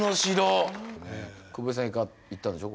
久保井さん行ったんでしょ？